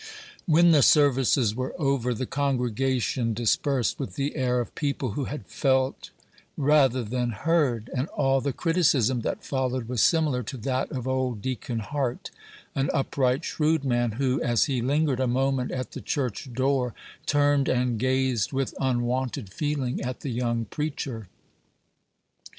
When the services were over, the congregation dispersed with the air of people who had felt rather than heard; and all the criticism that followed was similar to that of old Deacon Hart an upright, shrewd man who, as he lingered a moment at the church door, turned and gazed with unwonted feeling at the young preacher.